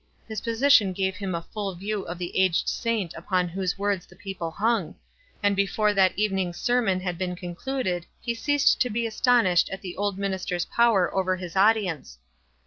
His position gave him a full view of the aged saint upon whose words the people hung, and before that even ing's sermon had been concluded he ceased to be astonished at the old minister's power over his audience.